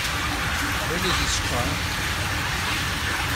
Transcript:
When is his trial?